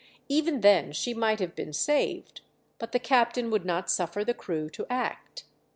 Even then she might have been saved, but the captain would not suffer the crew to act.